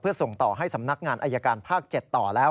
เพื่อส่งต่อให้สำนักงานอายการภาค๗ต่อแล้ว